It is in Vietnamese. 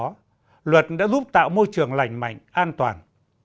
các tổ chức cá nhân đã giúp tạo môi trường lành mạnh an toàn